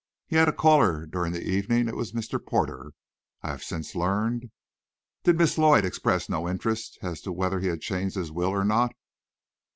He had a caller during the evening. It was Mr. Porter, I have since learned." "Did Miss Lloyd express no interest as to whether he had changed his will or not?"